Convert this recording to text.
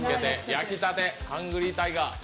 焼きたてハングリータイガー。